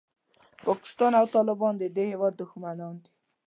پاکستان او طالبان د دې هېواد دښمنان دي.